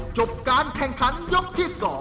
จบการแข่งขันยกที่๒